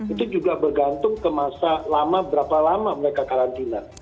itu juga bergantung ke masa lama berapa lama mereka karantina